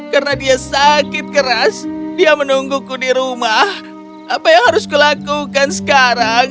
karena dia sakit keras dia menungguku di rumah apa yang harus kulakukan sekarang